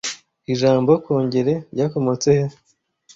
Ijambo 'Kongere' ryakomotse he